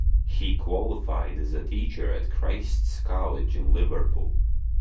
He qualified as a teacher at Christ's College in Liverpool.